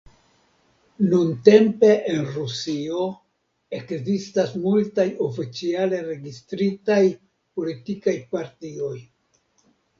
Nuntempe en Rusio ekzistas multaj oficiale registritaj politikaj partioj.